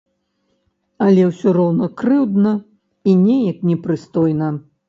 Але ўсе роўна крыўдна і неяк непрыстойна.